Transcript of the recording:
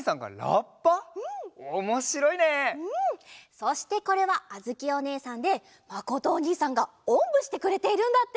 そしてこれはあづきおねえさんでまことおにいさんがおんぶしてくれているんだって。